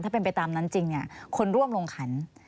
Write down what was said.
ถ้าเป็นไปตามนั้นจริงคนร่วมลงขัน